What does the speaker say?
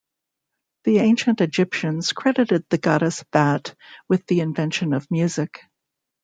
The ancient Egyptians credited the goddess Bat with the invention of music.